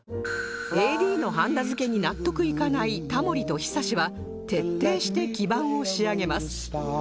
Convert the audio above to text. ＡＤ のはんだ付けに納得いかないタモリと ＨＩＳＡＳＨＩ は徹底して基板を仕上げます